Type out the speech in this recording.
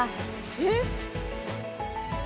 「えっ！」